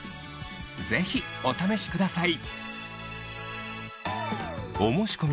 ぜひお試しください